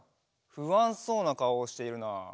ふあんそうなかおをしているな。